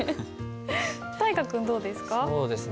大河君どうですか？